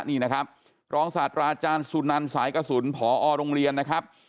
นี่นะครับรองศาสตราอาจารย์สุนันสายกระสุนพอโรงเรียนนะครับ